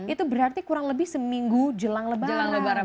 itu berarti kurang lebih seminggu jelang lebaran